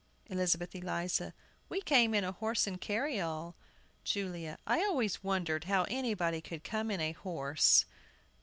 ELIZABETH ELIZA. We came in a horse and carryall. JULIA. I always wondered how anybody could come in a horse!